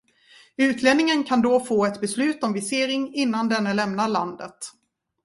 Utlänningen kan då få ett beslut om visering innan denne lämnar landet.